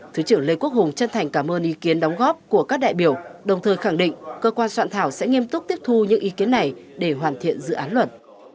thứ trưởng lê quốc hùng chân thành cảm ơn ý kiến đóng góp của các đại biểu đồng thời khẳng định cơ quan soạn thảo sẽ nghiêm túc tiếp thu những ý kiến này để hoàn thiện dự án luật